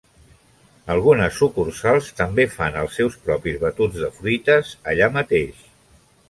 Algunes sucursals també fan els seus propis batuts de fruites allà mateix.